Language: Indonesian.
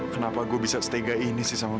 kenapa gue bisa setegah ini sih sama mita